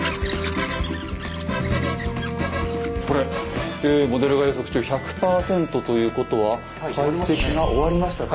これ「モデルが予測中１００％」ということは解析が終わりましたか。